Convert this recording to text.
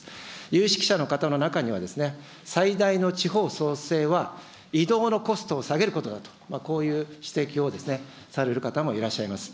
有識者の方の中には最大の地方創生は、移動のコストを下げることだと、こういう指摘をされる方もいらっしゃいます。